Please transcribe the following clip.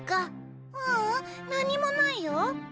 ううん何もないよ。